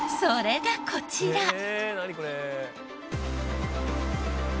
それがこちら。